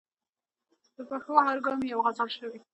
د پښو هر ګام یې یوه غزل شوې.